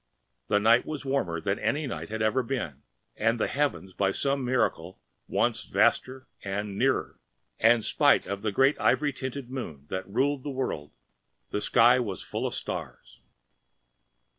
The night was warmer than any night had ever been, the heavens by some miracle at once vaster and nearer, and spite of the great ivory tinted moon that ruled the world, the sky was full of stars.